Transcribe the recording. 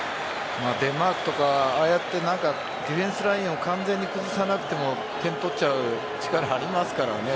デンマークとか、ああやってディフェンスラインを完全に崩さなくても点、取っちゃう力がありますからね。